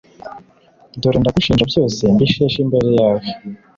Dore ndagushinja byose mbisheshe imbere yawe